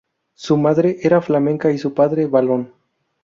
Su madre era flamenca y su padre valón.